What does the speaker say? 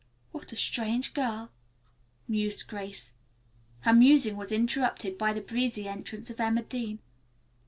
"What a strange girl," mused Grace. Her musing was interrupted by the breezy entrance of Emma Dean.